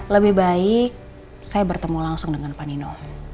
lebih baik saya bertemu langsung dengan pak nino